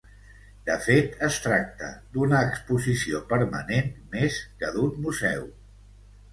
De fet es tracta d'una exposició permanent més que d'un museu.